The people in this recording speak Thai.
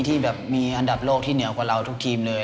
ที่แบบมีอันดับโลกที่เหนียวกว่าเราทุกทีมเลย